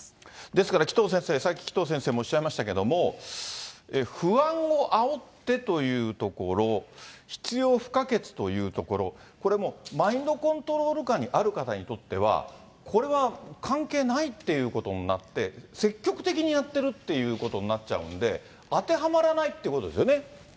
ですから、紀藤先生、さっき紀藤先生もおっしゃいましたけど、不安をあおってというところ、必要不可欠というところ、これもう、マインドコントロール下にある方にとっては、これは関係ないっていうことになって、積極的にやってるっていうことになっちゃうんで、当てはまらないということですよね。